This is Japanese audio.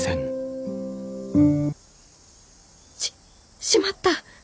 ししまった！